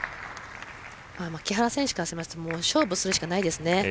木原選手からすると勝負するしかないですね。